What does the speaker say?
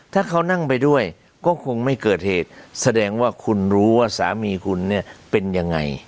ถ้าเขานั่งไปด้วยก็คงไม่เกิดเหตุแสดงว่าคุณรู้ว่าสามีคุณเนี่ยเป็นยังไง